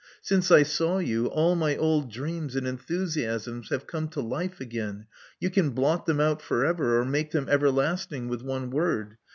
Since I saw ]^u, all my old dreams and enthusiasms have come to life again. Yon can blot them out for ever, or make them ever lasting with one word.